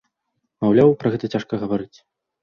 Маўляў, пра гэта цяжка гаварыць.